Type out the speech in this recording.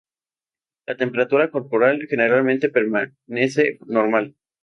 La temperatura corporal generalmente permanece normal.